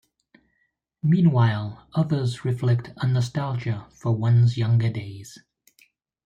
Meanwhile, others reflect a nostalgia for one's younger days.